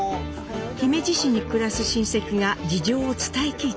姫路市に暮らす親戚が事情を伝え聞いていました。